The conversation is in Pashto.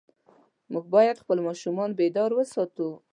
موږ باید خپل ماشومان بیدار وساتو.